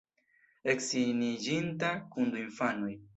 Edziniĝinta, kun du infanoj.